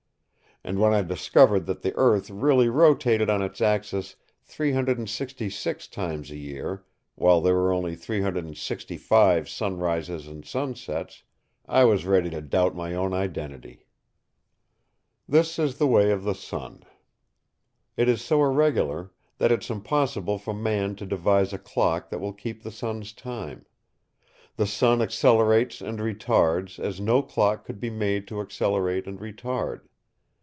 And when I discovered that the earth really rotated on its axis 366 times a year, while there were only 365 sunrises and sunsets, I was ready to doubt my own identity. This is the way of the sun. It is so irregular that it is impossible for man to devise a clock that will keep the sun's time. The sun accelerates and retards as no clock could be made to accelerate and retard.